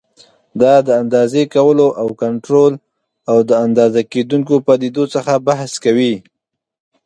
دا د اندازې کولو او کنټرول او د اندازه کېدونکو پدیدو څخه بحث کوي.